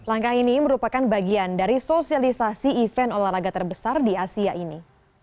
langkah ini merupakan bagian dari sosialisasi event olahraga terbesar di asia ini